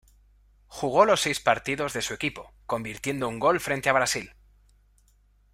Jugó los seis partidos de su equipo, convirtiendo un gol frente a Brasil.